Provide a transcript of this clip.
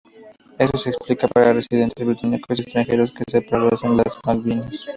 Esto se aplica para residentes británicos y extranjeros que se establecen en las Malvinas.